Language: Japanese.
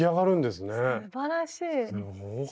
すばらしい！